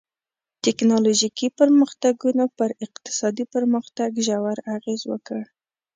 ټکنالوژیکي پرمختګونو پر اقتصادي پرمختګ ژور اغېز وکړ.